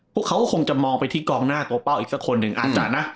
พวกเขาก็คงจะมองไปที่กองหน้าตัวเป้าอีกสักคนหนึ่งอาจจะนะ